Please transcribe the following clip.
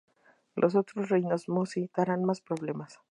Los otros reinos mossi darán más problemas.